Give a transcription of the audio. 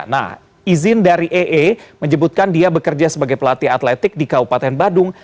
nah izin dari ee menyebutkan dia bekerja sebagai pelatih atletik di kabupaten badung